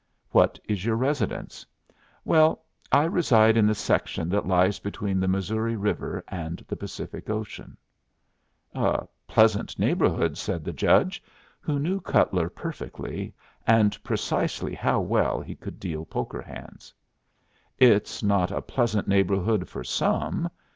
"What is your residence?" "Well, I reside in the section that lies between the Missouri River and the Pacific Ocean." "A pleasant neighborhood," said the judge, who knew Cutler perfectly, and precisely how well he could deal poker hands. "It's not a pleasant neighborhood for some."